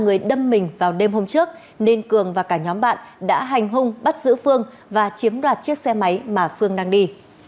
vì người đâm mình vào đêm hôm trước nên cường và cả nhóm bạn đã hành hung bắt giữ phương và chiếm đoạt chiếc xe máy mà phương đang đi